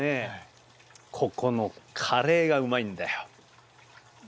ここのカレーがうまいんだよ。